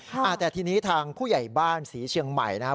อ่าแต่ทีนี้ทางผู้ใหญ่บ้านศรีเชียงใหม่นะครับ